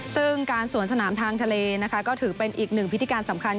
ซึ่งการสวนสนามทางทะเลนะคะก็ถือเป็นอีกหนึ่งพิธีการสำคัญ